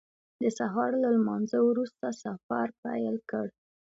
د سهار له لمانځه وروسته سفر پیل کړ.